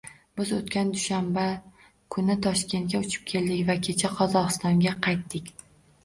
Biz o'tgan dushanba kuni Toshkentga uchib keldik va kecha Qozog'istonga qaytdik